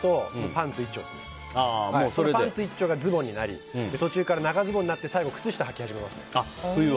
パンツ一丁がズボンになり途中から長ズボンになって靴下はき始めますね。